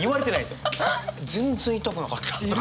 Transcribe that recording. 「全然痛くなかった」とか。